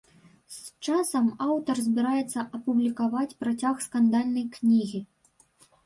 З часам аўтар збіраецца апублікаваць працяг скандальнай кнігі.